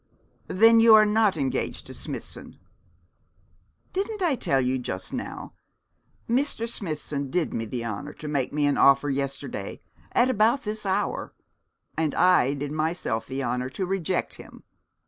'Then you are not engaged to Smithson?' 'Didn't I tell you so just now? Mr. Smithson did me the honour to make me an offer yesterday, at about this hour; and I did myself the honour to reject him.'